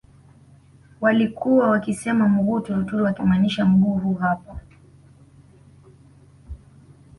Walkuwa wakisema Mughuu turuturu wakimaanisha mguu huu hapa